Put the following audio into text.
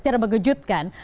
dan artinya apa